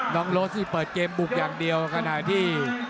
น้องโรสนี่เปิดเกมบุกอย่างเดียวขณะที่